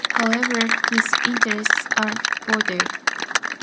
However, his interests are broader.